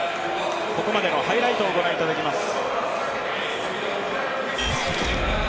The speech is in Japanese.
ここまでのハイライトをご覧いただきます。